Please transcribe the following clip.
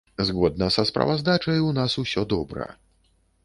Згодна са справаздачай, у нас усё добра.